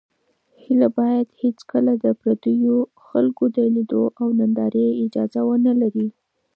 هیله باید هېڅکله د پردیو خلکو د لیدلو او نندارې اجازه ونه لري.